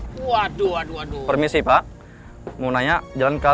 karna bu andien dan rena ingin main di halaman belakang